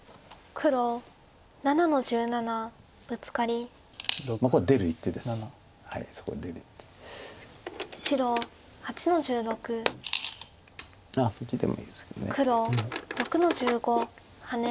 黒６の十五ハネ。